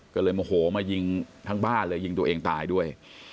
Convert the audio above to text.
ก็เลยโมโหมายิงทั้งบ้านเลยยิงตัวเองตายด้วย